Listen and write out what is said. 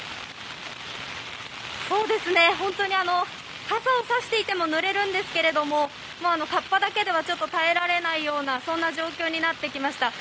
本当に傘をさしていてもぬれるんですがかっぱだけでは耐えられないような状況になってきました。